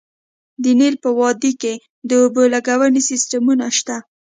د نیل په وادۍ کې د اوبو لګونې سیستمونه شته